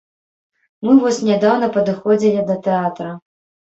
Мы вось нядаўна падыходзілі да тэатра.